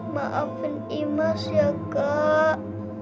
maafin emas ya kak